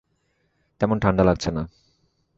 তেমন ঠান্ডা লাগছে না।